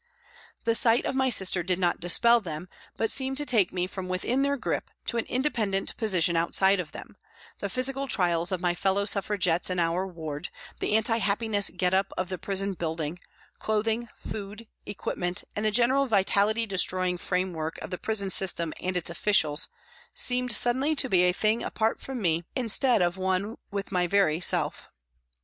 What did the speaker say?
The sight of my sister did not dispel them, but seemed to take me from within their grip to an independent position outside of them, the physical trials of my fellow Suffragettes in our ward, the anti happiness get up of the prison building, clothing, food, equipment, and the general vitality destroying framework of the prison system and its officials, seemed suddenly to be 108 PRISONS AND PRISONERS a thing apart from me instead of one with my very self.